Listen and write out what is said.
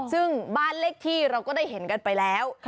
ซึ่งบ้านเลขที่เราก็ได้เห็นกันไปแล้ว